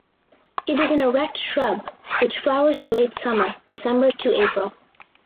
It is an erect shrub which flowers in late summer (December to April).